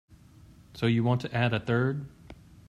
So you want to add a third?